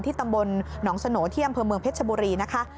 ที่ตำบลหนองสโนเทียมเผื่อเมืองเพชรบุรีนะคะ